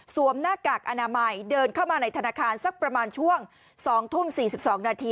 หน้ากากอนามัยเดินเข้ามาในธนาคารสักประมาณช่วง๒ทุ่ม๔๒นาที